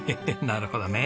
なるほどね。